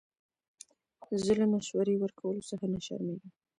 زه له مشورې ورکولو څخه نه شرمېږم.